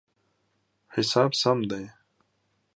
حساب سم دی